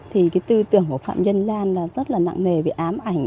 thì cái tư tưởng của phạm nhân lan là rất là nặng nề vì ám ảnh